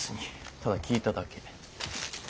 ただ聞いただけ。